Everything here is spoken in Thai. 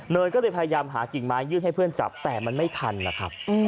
ก็เลยพยายามหากิ่งไม้ยื่นให้เพื่อนจับแต่มันไม่ทันนะครับ